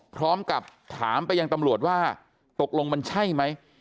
พร้อมกับถามไปยังตำรวจว่าตกลงมันใช่ไหม